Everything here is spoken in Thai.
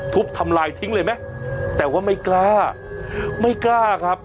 ทุบทำลายทิ้งเลยไหมแต่ว่าไม่กล้าไม่กล้าครับ